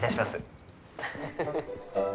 フフフフ。